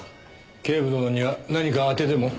警部殿には何か当てでも？